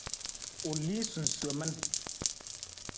U lii sunsomin.